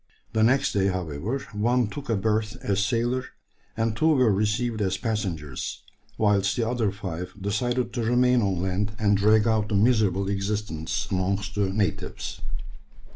The next day, however, one took a berth as sailor, and two were received as passengers; whilst the other five decided to remain on land and drag out a miserable existence amongst the natives.